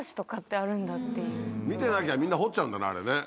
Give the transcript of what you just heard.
見てなきゃみんな掘っちゃうんだねあれね。